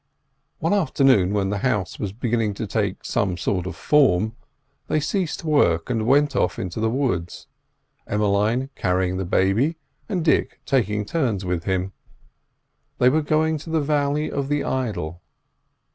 One afternoon, when the house was beginning to take some sort of form, they ceased work and went off into the woods; Emmeline carrying the baby, and Dick taking turns with him. They were going to the valley of the idol.